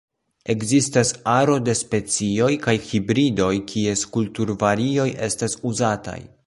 Ekzistas aro da specioj kaj hibridoj, kies kulturvarioj estas uzataj.